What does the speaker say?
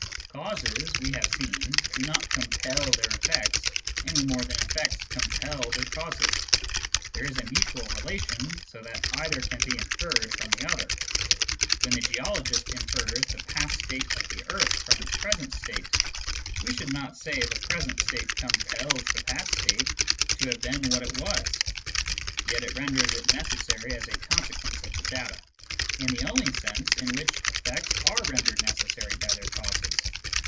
Causes, we have seen, do not compel their effects, any more than effects compel their causes. There is a mutual relation, so that either can be inferred from the other. When the geologist infers the past state of the earth from its present state, we should not say that the present state compels the past state to have been what it was ; yet it renders it necessary as a consequence of the data, in the only sense in which effects are rendered necessary by their causes.